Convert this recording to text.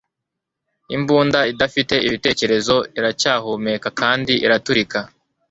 Imbunda idafite ibitekerezo iracyahumeka kandi iraturika